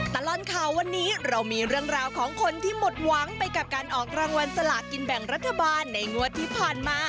ตลอดข่าววันนี้เรามีเรื่องราวของคนที่หมดหวังไปกับการออกรางวัลสลากินแบ่งรัฐบาลในงวดที่ผ่านมา